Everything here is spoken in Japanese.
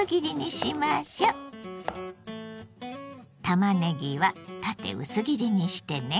たまねぎは縦薄切りにしてね。